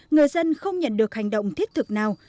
người dân không nhận được hành động thiết thực nào